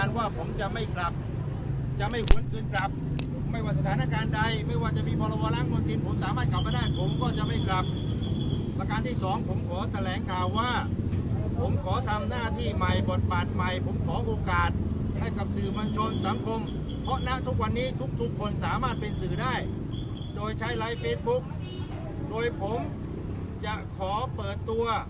สุดท้ายก็คืออันดับสุดท้ายก็คืออันดับสุดท้ายก็คืออันดับสุดท้ายก็คืออันดับสุดท้ายก็คืออันดับสุดท้ายก็คืออันดับสุดท้ายก็คืออันดับสุดท้ายก็คืออันดับสุดท้ายก็คืออันดับสุดท้ายก็คืออันดับสุดท้ายก็คืออันดับสุดท้ายก็คืออันดับสุดท้